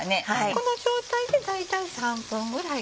この状態で大体３分ぐらいかな